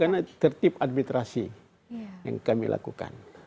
karena tertib administrasi yang kami lakukan